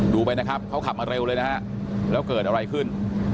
ดูไปนะครับเขาขับมาเร็วเลยนะฮะแล้วเกิดอะไรขึ้น